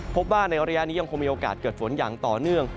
พบว่าในอุณหภูมิในอุณหภูมินี้ยังคงมีโอกาสเกิดฝนอย่างต่อเนื่อง